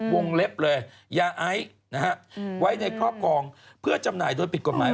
วงเล็บเลยยาไอซ์นะฮะไว้ในครอบครองเพื่อจำหน่ายโดยผิดกฎหมาย